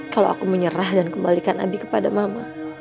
kalau aku menyerah dan kembalikan nabi kepada mama